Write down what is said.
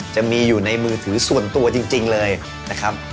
จะมีอยู่ในมือถือส่วนตัวจริงเลยนะครับ